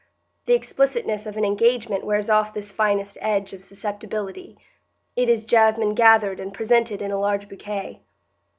The explicitness of an engagement wears off this finest edge of susceptibility; it is jasmine gathered and presented in a large bouquet.